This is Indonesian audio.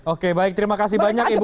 oke baik terima kasih banyak ibu